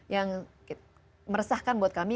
yang meresahkan buat kami